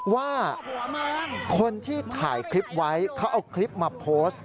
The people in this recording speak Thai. ว่าคนที่ถ่ายคลิปไว้เขาเอาคลิปมาโพสต์